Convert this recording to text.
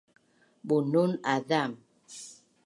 Bunun azam